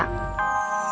sampai jumpa lagi